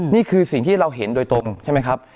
นี่คือสิ่งที่เราเห็นโดยตรงใช่ไหมครับ